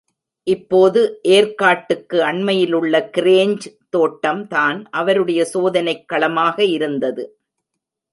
இப்போது ஏர்க்காட்டுக்கு அண்மையிலுள்ள கிரேஞ் தோட்டம் தான் அவருடைய சோதனைக் களமாக இருந்தது.